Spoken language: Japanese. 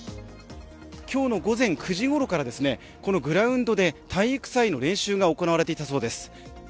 今日の午前９時ごろからこのグラウンドで体育祭の練習が行われていたそうです。